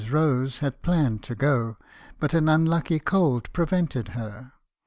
Rose had planned to go, but an unlucky cold prevented her.